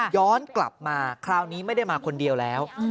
ย้อนกลับมาคราวนี้ไม่ได้มาคนเดียวแล้ว